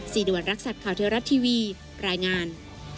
วัณรักษัตริย์ข่าวเทวรัฐทีวีรายงาน